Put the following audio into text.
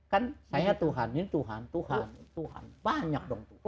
kan saya tuhan ini tuhan tuhan tuhan banyak dong tuhan